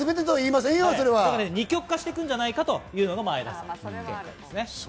二極化していくんじゃないかというのが前田さんのご意見です。